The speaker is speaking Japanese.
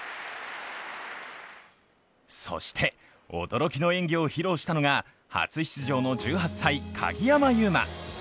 そして驚きの演技を披露したのが初出場の１８歳、鍵山優真。